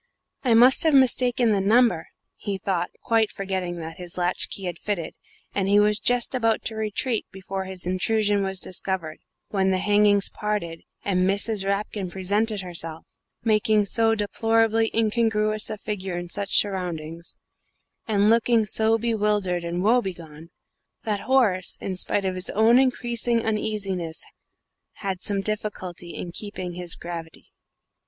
"I must have mistaken the number," he thought, quite forgetting that his latch key had fitted, and he was just about to retreat before his intrusion was discovered, when the hangings parted, and Mrs. Rapkin presented herself, making so deplorably incongruous a figure in such surroundings, and looking so bewildered and woebegone, that Horace, in spite of his own increasing uneasiness, had some difficulty in keeping his gravity.